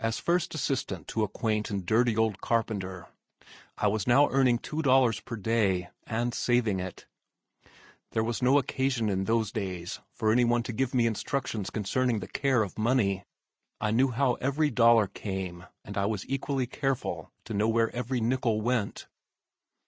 As first assistant to a quaint and dirty old carpenter, I was now earning two dollars per day, and saving it. There was no occasion in those days for anyone to give me instructions concerning the care of money. I knew how every dollar came and I was equally careful to know where every nickel went.